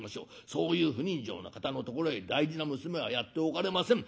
そういう不人情な方のところへ大事な娘はやっておかれません。